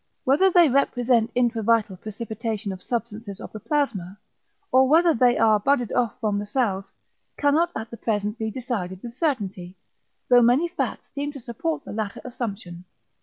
Whether they represent intravital precipitation of substances of the plasma, or whether they are budded off from the cells, cannot at the present be decided with certainty, though many facts seem to support the latter assumption.